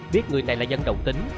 biết người này là dân đồng tính